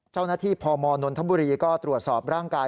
เจ้าหน้าที่พมนธบุรีก็ตรวจสอบร่างกาย